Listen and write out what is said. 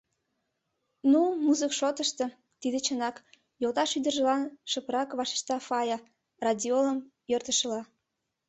— Ну, музык шотышто — тиде чынак, — йолташ ӱдыржылан шыпрак вашешта Фая, радиолым йӧртышыла.